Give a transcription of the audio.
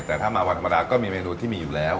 แต่ถ้ามาวันธรรมดาก็มีเมนูที่มีอยู่แล้ว